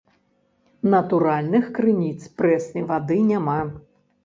Натуральных крыніц прэснай вады няма.